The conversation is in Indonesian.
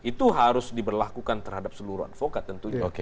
itu harus diberlakukan terhadap seluruh advokat tentunya